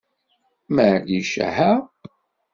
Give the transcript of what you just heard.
Maɛlic, aha!